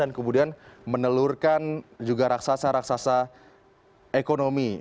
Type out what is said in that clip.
kemudian menelurkan juga raksasa raksasa ekonomi